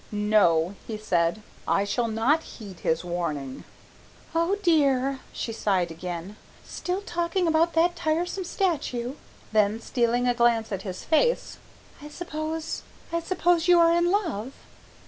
"No," he said, "I shall not heed his warning." "Oh dear," she sighed again, "still talking about that tiresome statue!" Then stealing a glance at his face, "I suppose I suppose you are in love."